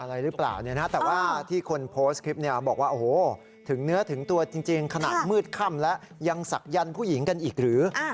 อะไรหรือเปล่าเนี่ยนะแต่ว่าที่คนโพสต์คลิปเนี่ยบอกว่าโอ้โหถึงเนื้อถึงตัวจริงขนาดมืดค่ำแล้วยังศักยันต์ผู้หญิงกันอีกหรือ